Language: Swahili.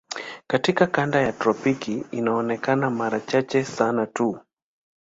Katika kanda ya tropiki inaonekana mara chache sana tu.